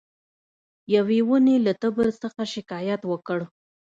یوې ونې له تبر څخه شکایت وکړ.